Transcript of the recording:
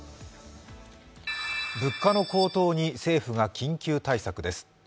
物価の高騰に政府が緊急対策です。